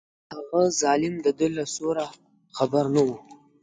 هغه ظالم د ده له سوره خبر نه و.